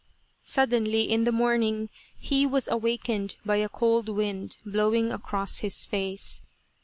Suddenly, in the morning, he was awakened by a cold wind blowing across his face.